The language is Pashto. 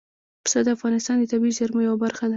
پسه د افغانستان د طبیعي زیرمو یوه برخه ده.